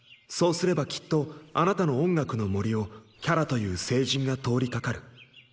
そうすればきっとあなたの音楽の森をキャラという聖人が通りかかる。